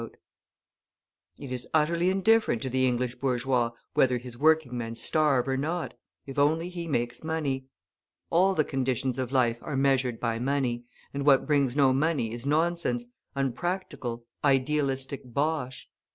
It is utterly indifferent to the English bourgeois whether his working men starve or not, if only he makes money. All the conditions of life are measured by money, and what brings no money is nonsense, unpractical, idealistic bosh.